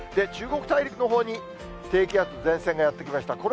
中国大陸のほうに、低気圧、前線がやって来ました。